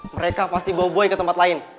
mereka pasti bawa boy ke tempat lain